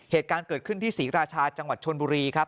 เหตุการณ์เกิดขึ้นที่ศรีราชาจังหวัดชนบุรีครับ